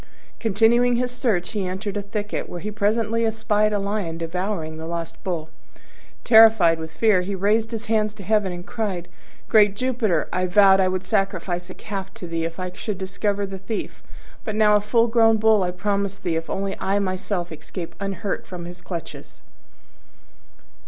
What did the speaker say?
Continuing his search, he entered a thicket, where he presently espied a lion devouring the lost Bull. Terrified with fear, he raised his hands to heaven and cried, "Great Jupiter, I vowed I would sacrifice a calf to thee if I should discover the thief: but now a full grown Bull I promise thee if only I myself escape unhurt from his clutches."